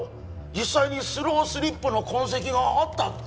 実際にスロースリップの痕跡があったんだ